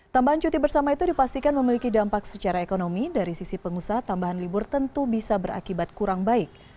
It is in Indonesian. tambahan cuti bersama itu dipastikan memiliki dampak secara ekonomi dari sisi pengusaha tambahan libur tentu bisa berakibat kurang baik